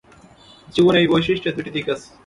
জীবনে এই বৈশিষ্ট্যের দুইটি দিক আছে।